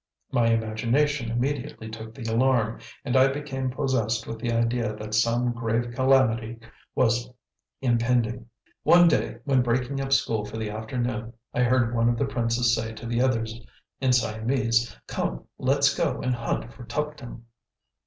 My imagination immediately took the alarm, and I became possessed with the idea that some grave calamity was impending. One day, when breaking up school for the afternoon, I heard one of the princes say to the others in Siamese: "Come, let's go and hunt for Tuptim."